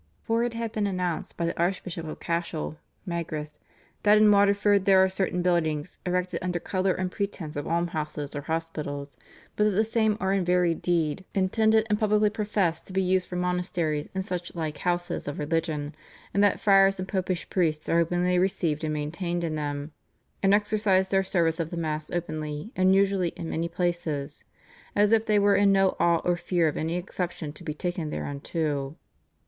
For it had been announced by the Archbishop of Cashel (Magrath) "that in Waterford there are certain buildings, erected under colour and pretence of almshouses or hospitals, but that the same are in very deed intended and publicly professed to be used for monasteries and such like houses of religion, and that friars and popish priests are openly received and maintained in them ... and exercise their service of the Mass openly and usually in many places, as if they were in no awe or fear of any exception to be taken thereunto."